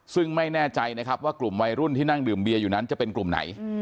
ซึ่งไม่แน่ใจนะครับว่ากลุ่มวัยรุ่นที่นั่งดื่มเบียร์อยู่นั้นจะเป็นกลุ่มไหน